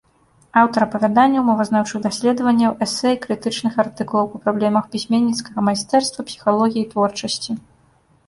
Аўтар апавяданняў, мовазнаўчых даследаванняў, эсэ і крытычных артыкулаў па праблемах пісьменніцкага майстэрства, псіхалогіі творчасці.